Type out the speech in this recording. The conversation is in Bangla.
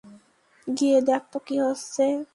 গিয়ে দেখ তো কী হচ্ছে।